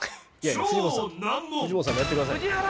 藤本さんもやってください宇治原！